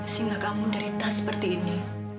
sehingga kamu menderita seperti ini